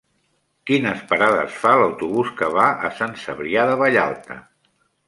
Quines parades fa l'autobús que va a Sant Cebrià de Vallalta?